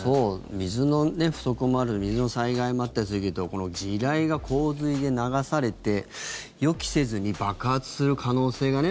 水の不足もある水の災害もあったりするけどこの地雷が洪水で流されて予期せずに爆発する可能性がね